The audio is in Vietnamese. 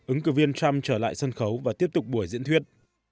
ứng cử viên trump trở lại sân khấu và tiếp tục buổi diễn thuyết